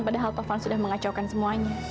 padahal taufan sudah mengacaukan semuanya